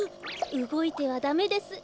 うごいてはダメです。